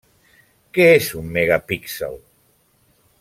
Què és un Megapíxel?